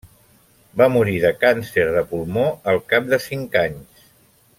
Va morir de càncer de pulmó al cap de cinc anys.